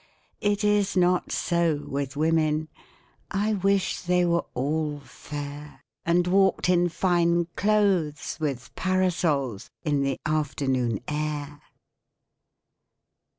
It is not so with women. I wish they were all fair. And walked in fine clothes. With parasols, in the afternoon air.